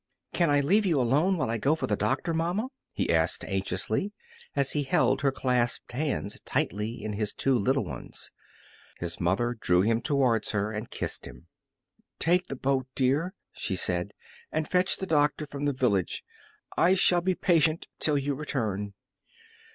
"Can I leave you alone while I go for the doctor, mamma?" he asked, anxiously, as he held her clasped hands tightly in his two little ones. His mother drew him towards her and kissed him. "Take the boat, dear," she said, "and fetch the doctor from the village. I shall be patient till you return."